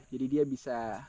jadi dia bisa